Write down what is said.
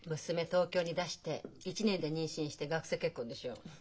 東京に出して１年で妊娠して学生結婚でしょう？